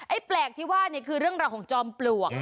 แปลกที่ว่านี่คือเรื่องราวของจอมปลวก